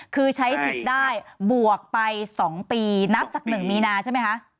คือใช้สิทธิ์ได้บวกไป๒ปีนับจาก๑มีนาใช่ไหมคะ